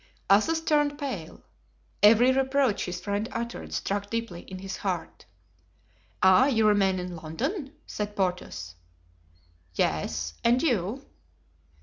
Athos turned pale. Every reproach his friend uttered struck deeply in his heart. "Ah! you remain in London?" said Porthos. "Yes. And you?"